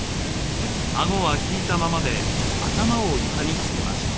あごは引いたままで頭を床につけましょう。